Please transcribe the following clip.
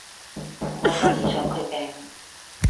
我都唔想佢病